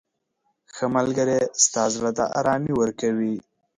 • ښه ملګری ستا زړه ته ارامي ورکوي.